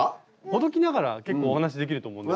ほどきながら結構お話しできると思うので。